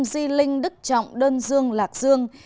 di linh đức trọng đơn dương lạc dương